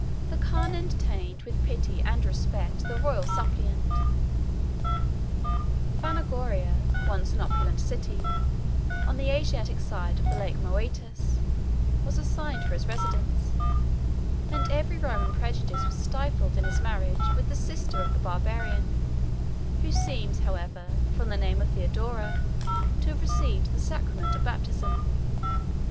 The khan entertained with pity and respect the royal suppliant: Phanagoria, once an opulent city, on the Asiatic side of the lake Moeotis, was assigned for his residence; and every Roman prejudice was stifled in his marriage with the sister of the Barbarian, who seems, however, from the name of Theodora, to have received the sacrament of baptism.